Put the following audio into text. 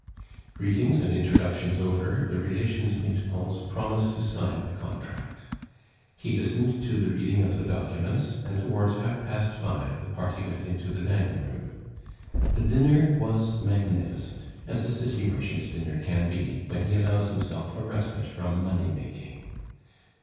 Greetings and introductions over, the relations made Pons promise to sign the contract. He listened to the reading of the documents, and towards half past five the party went into the dining room. The dinner was magnificent, as a city merchant's dinner can be, when he allows himself a respite from money making.